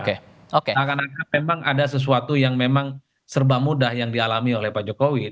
karena memang ada sesuatu yang memang serba mudah yang dialami oleh pak jokowi